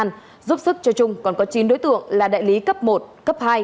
tỉnh nghệ an giúp sức cho trung còn có chín đối tượng là đại lý cấp một cấp hai